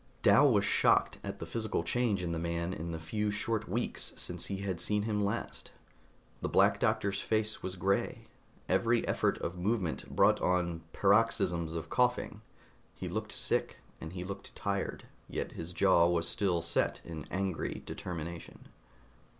Dal was shocked at the physical change in the man in the few short weeks since he had seen him last. The Black Doctor's face was gray; every effort of movement brought on paroxysms of coughing. He looked sick, and he looked tired, yet his jaw was still set in angry determination.